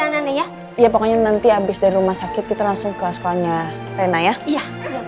aneh aneh ya ya pokoknya nanti habis dari rumah sakit kita langsung ke sekolahnya rina ya iya